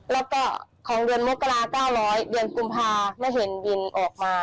แล้วก็ของดุลมะกรา๙๐๐เรียงกรุงภาพไม่เห็นบินออกมา